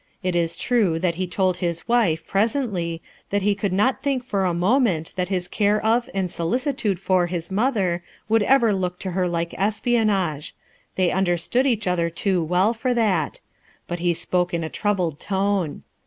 It is true that he told his wife, presently, that he could not think for a moment that his care of and solicitude for his mother would ever look to her like espionage ; the}' understood each other too well for that; but he spoke in a troubled tone.